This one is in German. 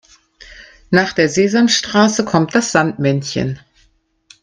Nach der Sesamstraße kommt das Sandmännchen.